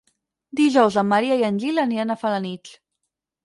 Dijous en Maria i en Gil aniran a Felanitx.